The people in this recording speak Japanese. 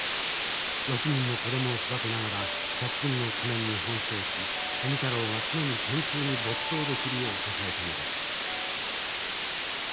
６人の子供を育てながら借金の工面に奔走し富太郎が常に研究に没頭できるよう支えたのです。